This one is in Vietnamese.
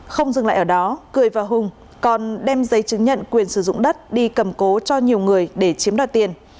không dừng lại ở đó cười và hùng còn đem giấy chứng nhận quyền sử dụng đất đi cầm cố cho nhiều người để chiếm đoạt tiền